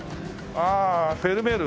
ああフェルメール。